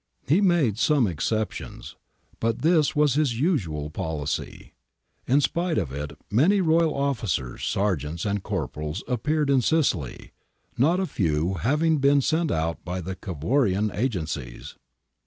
He made some exceptions, but this was his usual policy. In spite of it many royal officers, sergeants, and corporals appeared in Sicily, not a few having been sent out by the Cavourian agencies.